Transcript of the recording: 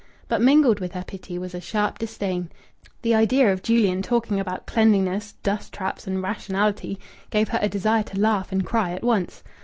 But mingled with her pity was a sharp disdain. The idea of Julian talking about cleanliness, dust traps, and rationality gave her a desire to laugh and cry at once.